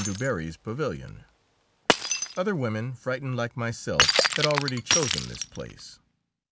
Du Barry's pavilion. Other women, frightened like myself, had already chosen this place.